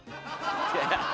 いやいや。